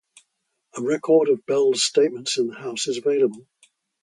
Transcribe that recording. A record of Bell's statements in the House is available.